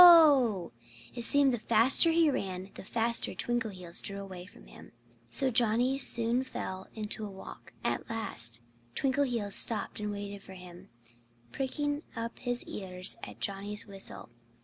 Whoa!" It seemed that the faster he ran the faster Twinkleheels drew away from him. So Johnnie soon fell into a walk. At last Twinkleheels stopped and waited for him, pricking up his ears at Johnnie's whistle.